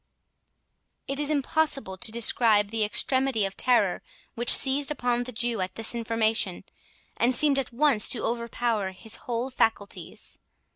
It is impossible to describe the extremity of terror which seized upon the Jew at this information, and seemed at once to overpower his whole faculties.